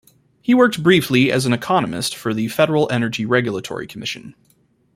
He worked briefly as an economist for the Federal Energy Regulatory Commission.